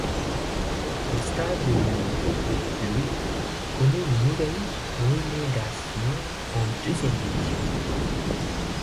Le Stade rennais, lui, connaît une nouvelle relégation en deuxième division.